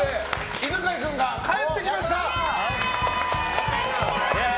犬飼君が帰ってきました！